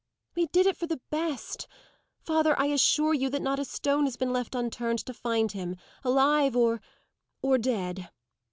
"We did it for the best. Father, I assure you that not a stone has been left unturned to find him; alive, or or dead.